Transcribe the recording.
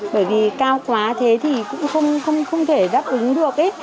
bởi vì cao quá thế thì cũng không thể đáp ứng được